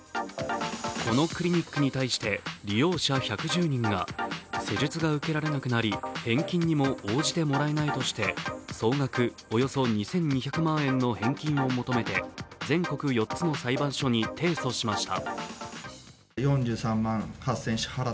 このクリニックに対して利用者１１０人が、施術が受けられなくなり返金にも応じてもらえないとして総額およそ２２００万円の返金を求めて全国４つの裁判所に提訴しました。